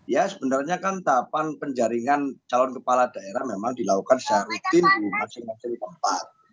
ya sebenarnya kan tahapan penjaringan calon kepala daerah memang dilakukan secara rutin di masing masing tempat